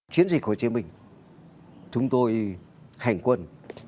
chiến dịch hồ chí minh chúng tôi hành quân